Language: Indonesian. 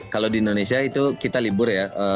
kalau di indonesia itu kita libur ya